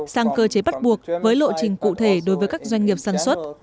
sang cơ chế bắt buộc với lộ trình cụ thể đối với các doanh nghiệp sản xuất